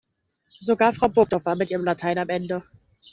Sogar Frau Burgdorf war mit ihrem Latein am Ende.